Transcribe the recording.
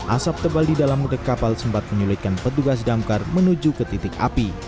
asap tebal di dalam gudeg kapal sempat menyulitkan petugas damkar menuju ke titik api